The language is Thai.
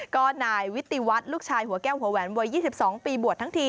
ก็นายวิติวัตรลูกชายหัวแก้วหัวแหวนวัย๒๒ปีบวชทั้งที